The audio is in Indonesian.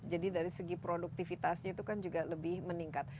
jadi dari segi produktivitasnya itu kan juga lebih meningkat